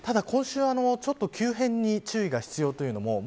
ただ今週ちょっと急変に注意が必要とも。